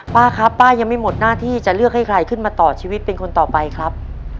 ป้าครับป้ายังไม่หมดหน้าที่จะเลือกให้ใครขึ้นมาต่อชีวิตเป็นคนต่อไปครับ